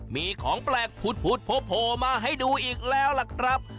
มีของแปลกผุดโผล่มาให้ดูอีกแล้วล่ะครับ